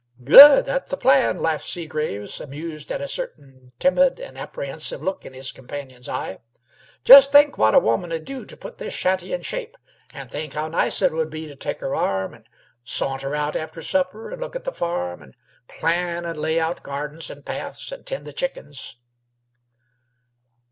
"Good! That's the plan," laughed Seagraves, amused at a certain timid and apprehensive look in his companion's eye. "Just think what a woman would do to put this shanty in shape; and think how nice it would be to take her arm and saunter out after supper, and look at the farm, and plan, and lay out gardens and paths, and tend the chickens!"